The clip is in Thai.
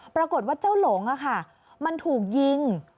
ปรากฏว่าเจ้าหลงมันถูกยิง